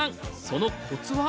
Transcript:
そのコツは？